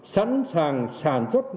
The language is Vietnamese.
sẵn sàng sản xuất